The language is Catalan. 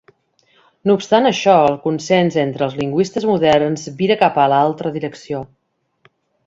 No obstant això, el consens entre els lingüistes moderns vira cap a l'altra direcció.